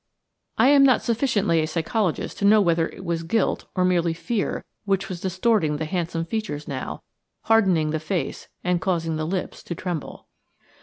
I am not sufficiently a psychologist to know whether it was guilt or merely fear which was distorting the handsome features now, hardening the face and causing the lips to tremble.